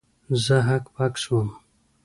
زه هک پک سوم.